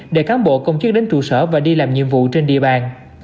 để cán bộ công chức đến trụ sở và đi làm nhiệm vụ trên địa bàn